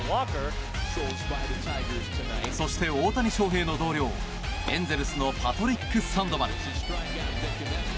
そして、大谷翔平の同僚エンゼルスのパトリック・サンドバル。